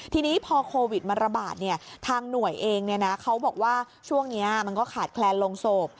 ทีนี้พอโควิดมันระบาดทางหน่วยเองเขาบอกว่าช่วงนี้มันก็ขาดแคลนลงศพ